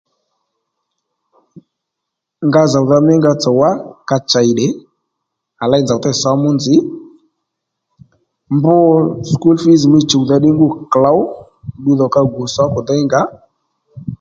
Nga zòwdha mí nga tsò wá ka chèy tdè à ley nzòw dey sǒmu nzǐ mb sùkúl fǐz mí chùwdha ddí ngû klǒw ddudhò ka gù sǒkò déy ngǎ